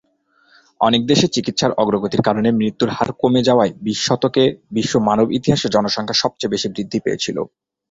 অনেক দেশে চিকিৎসার অগ্রগতির কারণে মৃত্যুর হার কমে যাওয়ায় বিশ শতকে, বিশ্ব মানব ইতিহাসে জনসংখ্যা সবচেয়ে বেশি বৃদ্ধি পেয়েছিল।